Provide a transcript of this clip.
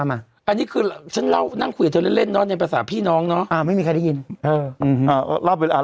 เล่นเนาะในภาษาพี่น้องเนาะอ่าไม่มีใครได้ยินเอออืมอ่าลอง